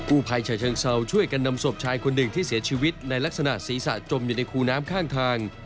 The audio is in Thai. ภัยฉะเชิงเซาช่วยกันนำศพชายคนหนึ่งที่เสียชีวิตในลักษณะศีรษะจมอยู่ในคูน้ำข้างทาง